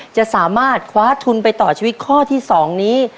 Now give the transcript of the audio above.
จะสามารถคว้าทุนไปต่อชีวิตข้อที่๒นี้